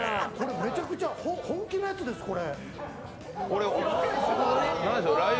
めちゃくちゃ本気のやつです、これ。